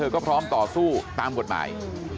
ก็พร้อมต่อสู้ตามกฎหมาย